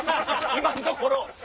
今のところは。